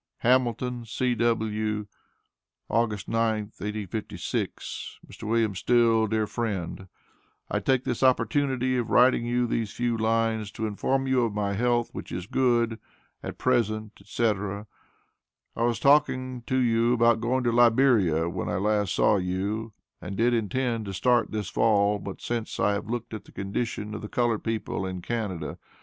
Hamilton, C.W., August 9th, 1856. MR. WM. STILL; Dear Friend: I take this opportunity of writing you these few lines to inform you of my health, which is good at present, &c. I was talking to you about going to Liberia, when I saw you last, and did intend to start this fall, but I since looked at the condition of the colored people in Canada.